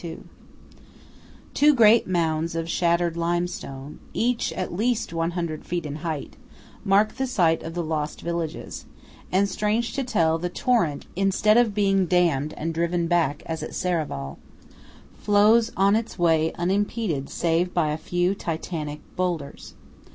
Two great mounds of shattered limestone, each at least 100 feet in height, mark the site of the lost villages; and, strange to tell, the torrent, instead of being dammed and driven back as at Serravalle, flows on its way unimpeded save by a few Titanic boulders.